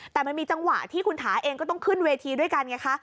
แต่มันมีจังหวะที่คุณถาเองก็ต้องขึ้นเวทีด้วยกันไงคะ